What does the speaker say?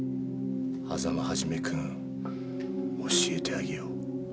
狭間肇君教えてあげよう。